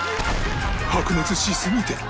白熱しすぎて